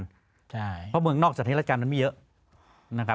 เพราะเมืองนอกสถานที่ราชการมันไม่เยอะ